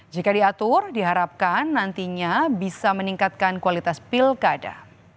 jika diatur diharapkan nantinya bisa meningkatkan kualitas pilkada